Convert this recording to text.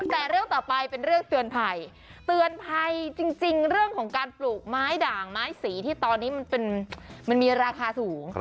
แต่เรื่องต่อไปเป็นเรื่องเตือนภัยเตือนภัยจริงเรื่องของการปลูกไม้ด่างไม้สีที่ตอนนี้มันมีราคาสูง